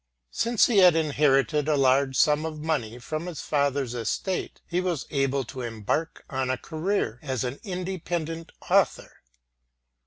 Since he had inherited a large sum of money from his father's estate, he was able to embark on a career as an independent author.